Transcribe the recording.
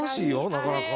なかなか。